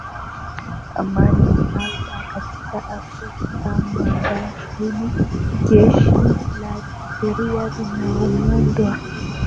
amani hasa katika Afrika Magharibi Jeshi la Nigeria linaundwa na